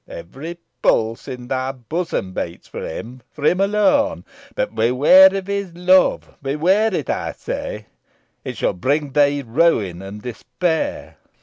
Every pulse in thy bosom beats for him for him alone. But beware of his love. Beware of it, I say. It shall bring thee ruin and despair."